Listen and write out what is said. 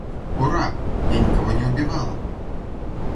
Ура, я никого не убивала!